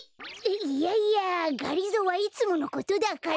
いやいやがりぞーはいつものことだから。